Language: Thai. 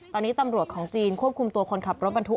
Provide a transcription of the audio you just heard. ตอนนี้ตำรวจของจีนควบคุมตัวคนขับรถบรรทุก